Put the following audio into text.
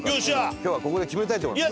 今日はここで決めたいと思います。